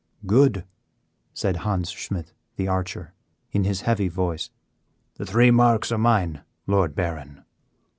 "Good," said Hans Schmidt, the archer, in his heavy voice, "the three marks are mine, Lord Baron."